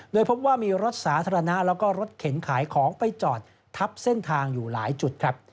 โดยพบว่ามีรถสาธารณะแล้วก็รถเข็นขายของไปจอดทับเส้นทางอยู่หลายจุดครับ